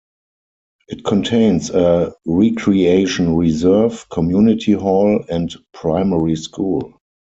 It contains a recreation reserve, community hall and primary school.